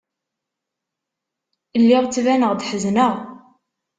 Lliɣ ttbaneɣ-d ḥezneɣ.